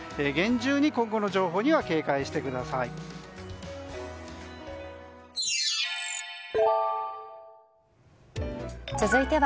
厳重に今後の情報には警戒してください。